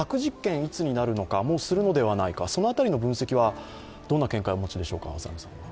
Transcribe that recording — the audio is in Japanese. いつになるのか、もうするのではないか、その辺りの分析はどんな見解をお持ちでしょうか？